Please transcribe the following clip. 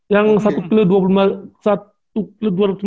yang satu pilih dua puluh lima